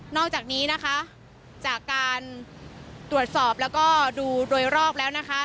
อกจากนี้นะคะจากการตรวจสอบแล้วก็ดูโดยรอบแล้วนะคะ